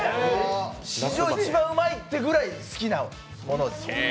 史上一番うまいっていうぐらい好きなものです。